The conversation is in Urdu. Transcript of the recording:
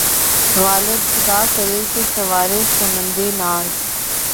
غالبؔ! خدا کرے کہ‘ سوارِ سمندِ ناز